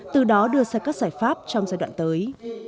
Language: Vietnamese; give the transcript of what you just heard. từ đó đưa ra các giải pháp trong giai đoạn tới